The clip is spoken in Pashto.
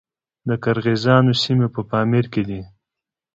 د قرغیزانو سیمې په پامیر کې دي